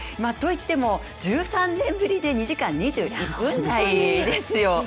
といっても１３年ぶりで２時間２２分台ですよ。